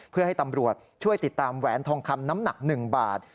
เพื่อให้ตำรวจช่วยติดตามแหวนทองคำน้ำหนัก๑บาท